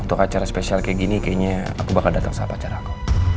untuk acara spesial kayak gini kayaknya aku bakal datang sama pacar aku